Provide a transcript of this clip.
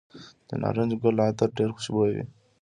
د نارنج ګل عطر ډیر خوشبويه وي.